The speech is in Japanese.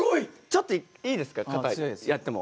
ちょっといいですか？